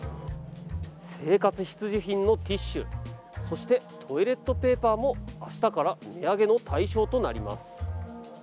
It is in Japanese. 生活必需品のティッシュそしてトイレットペーパーも明日から値上げの対象となります。